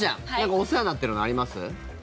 お世話になっているのあります？